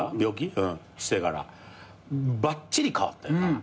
してからばっちり変わったよな。